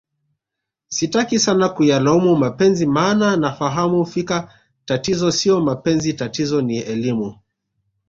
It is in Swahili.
sitaki sana kuyalaumu mapenzi maana nafahamu fika tatizo sio mapenzi tatizo ni elimu